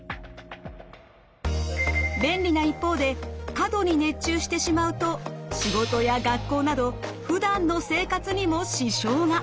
便利な一方で過度に熱中してしまうと仕事や学校などふだんの生活にも支障が。